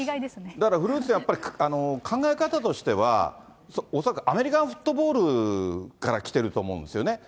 だから古内さん、やっぱり考え方としては、恐らくアメリカンフットボールからきてると思うんですよね。